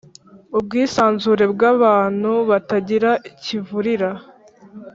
ubwisanzure bw abantu batagira kivurira